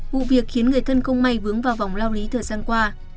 vụ việc khiến người thân không may vướng vào vòng lao lý thời gian qua